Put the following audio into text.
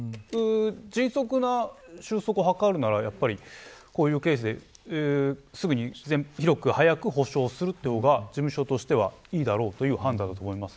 迅速な収束を図るならこういうケースで広く早く補償する方が事務所としてはいいだろうという判断だと思います。